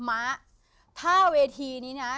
ม้าถ้าเวทีนี้นะ